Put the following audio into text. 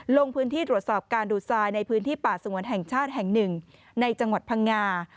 ลงพื้นที่ตรวจสอบการดูดทรายในพื้นที่ป่าสงวนแห่งชาติแห่งหนึ่งในจังหวัดพังงา